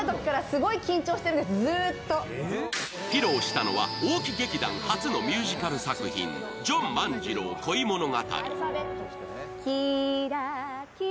披露したのは大木劇団初のミュージカル作品「ジョン万次郎恋物語」。